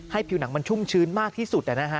ผิวหนังมันชุ่มชื้นมากที่สุด